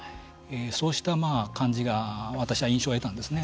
そうした感じが私は印象を得たんですね。